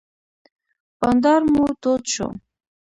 بانډار مو تود شو.